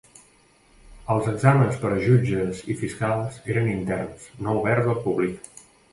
Els exàmens per a jutges i fiscals eren interns, no oberts al públic.